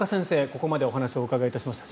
ここまでお話をお伺いしました。